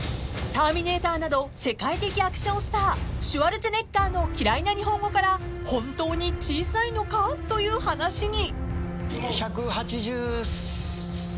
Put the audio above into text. ［『ターミネーター』など世界的アクションスターシュワルツェネッガーの嫌いな日本語から本当に小さいのか？という話に］